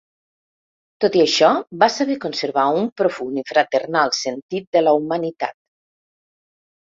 Tot i això va saber conservar un profund i fraternal sentit de la humanitat.